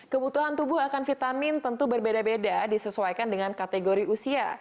kebutuhan tubuh akan vitamin tentu berbeda beda disesuaikan dengan kategori usia